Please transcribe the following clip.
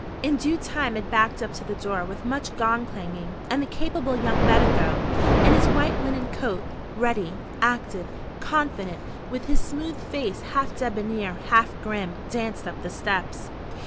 In due time it backed up to the door with much gong clanging, and the capable young medico, in his white linen coat, ready, active, confident, with his smooth face half debonair, half grim, danced up the steps.